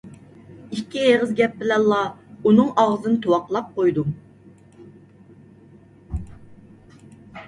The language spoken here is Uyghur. ئىككى ئېغىز گەپ بىلەنلا ئۇنىڭ ئاغزىنى تۇۋاقلاپ قويدۇم.